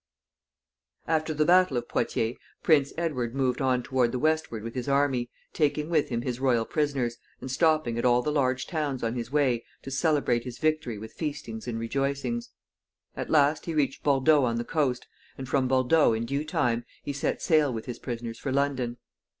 After the battle of Poictiers Prince Edward moved on toward the westward with his army, taking with him his royal prisoners, and stopping at all the large towns on his way to celebrate his victory with feastings and rejoicings. At last he reached Bordeaux on the coast, and from Bordeaux, in due time, he set sail with his prisoners for London.